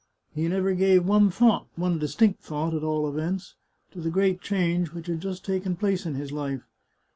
He never gave one thought — one distinct thought, at all events — to the great change which had just taken place in his life.